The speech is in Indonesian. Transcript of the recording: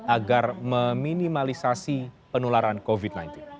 agar meminimalisasi penularan covid sembilan belas